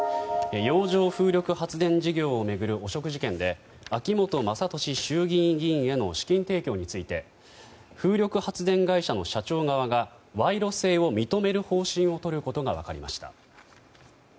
洋上風力発電事業を巡る汚職事件で秋本真利衆議院議員への資金提供について風力発電会社の社長側が賄賂性を認める方針をとることが分かりました。